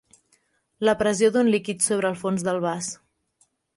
La pressió d'un líquid sobre el fons del vas.